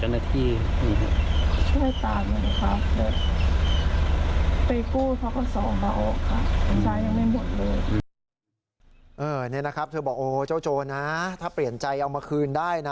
นี่นะครับเธอบอกโอ้เจ้าโจรนะถ้าเปลี่ยนใจเอามาคืนได้นะ